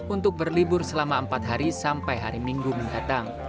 untuk berlibur selama empat hari sampai hari minggu mendatang